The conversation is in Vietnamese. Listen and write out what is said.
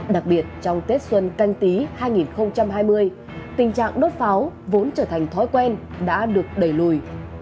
đặc biệt trong tết xuân canh tí hai nghìn hai mươi tình trạng đốt pháo vốn trở thành thói quen đã được đẩy lùi